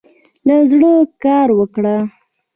له زړۀ کار وکړه.